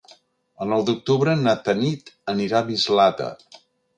El nou d'octubre na Tanit anirà a Mislata.